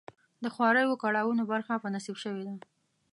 د خواریو او کړاوونو برخه په نصیب شوې ده.